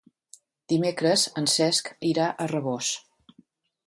Dimecres en Cesc irà a Rabós.